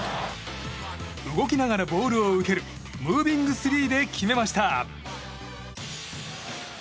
動きながらボールを受けるムービングスリーで決めました。